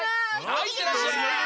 はいいってらっしゃい。